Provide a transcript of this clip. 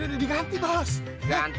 beri sedikit aturan murah